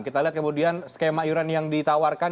kita lihat kemudian skema iuran yang ditawarkan